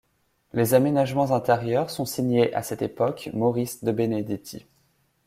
Les aménagements intérieurs sont signés à cette époque Maurice Debenedetti.